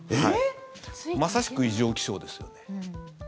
まさしく異常気象ですよね。